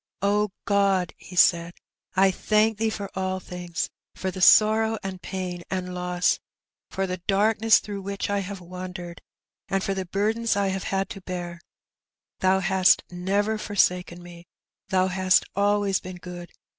" O God !" he said, " I thank Thee for all things ; for the sorrow^ and pain^ and loss, for the darkness through Recognition. 263 which I have wandered^ and for the burdens I have had to bear. Thoa hast never forsaken me. Thou hast always been good.